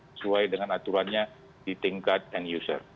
sesuai dengan aturannya di tingkat end user